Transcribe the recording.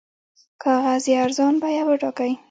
کاغذ یې ارزان بیه وټاکئ.